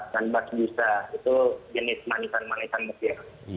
kanbas jusa itu jenis manisan manisan mesir